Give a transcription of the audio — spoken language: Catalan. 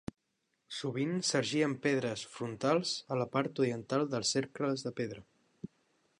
Sovint, s'erigien pedres frontals a la part oriental dels cercles de pedra.